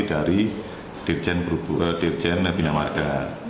dari dirjen bina marga